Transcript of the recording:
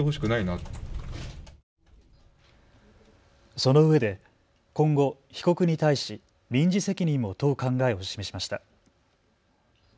そのうえで今後、被告に対し民事責任も問う考えを示しました。